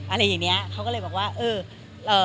อะไรอย่างเงี้ยเขาก็เลยบอกว่าเออเอ่อ